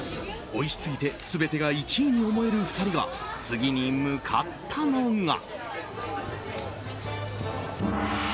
おいしすぎて全てが１位に思える２人が次に向かったのが。